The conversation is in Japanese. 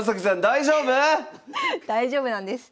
大丈夫⁉大丈夫なんです。